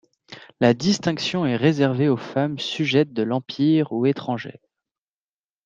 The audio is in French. La distinction est réservée aux femmes sujettes de l'Empire ou étrangères.